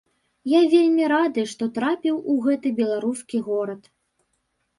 Я вельмі рады, што трапіў у гэты беларускі горад.